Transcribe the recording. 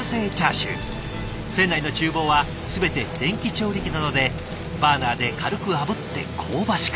船内のちゅう房は全て電気調理器なのでバーナーで軽くあぶって香ばしく。